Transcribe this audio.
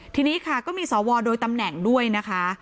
ทีนี้ค่ะก็มีสวโดยตำแหน่งด้วยนะคะ